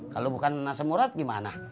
kalau bukan asem urat gimana